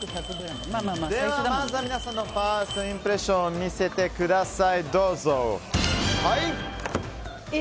まずは皆さんのファーストインプレッションを見せてください。